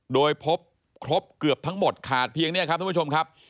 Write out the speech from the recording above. โดยพบครบเกือบทั้งหมดขาดเพียงเนี่ยครับทุกผู้ชมครับ